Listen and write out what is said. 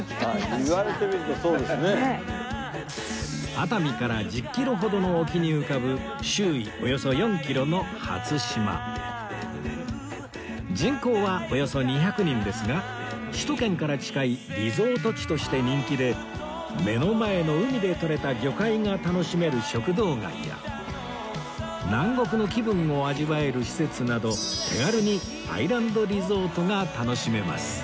熱海から１０キロほどの沖に浮かぶ周囲およそ４キロの人口はおよそ２００人ですが首都圏から近いリゾート地として人気で目の前の海でとれた魚介が楽しめる食堂街や南国の気分を味わえる施設など手軽にアイランドリゾートが楽しめます